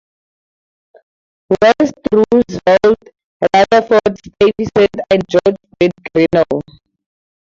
West Roosevelt, Rutherford Stuyvesant and George Bird Grinnell.